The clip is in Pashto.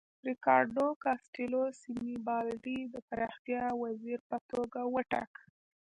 ریکاردو کاسټیلو سینیبالډي د پراختیا وزیر په توګه وټاکه.